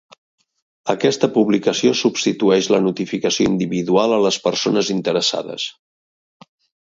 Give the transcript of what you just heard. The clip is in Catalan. Aquesta publicació substitueix la notificació individual a les persones interessades.